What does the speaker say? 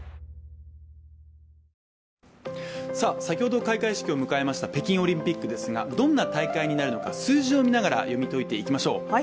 先ほど開会式を迎えました北京オリンピックですが、どんな大会になるのか数字を見ながら読み解いていきましょう。